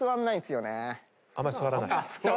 あまり座らない？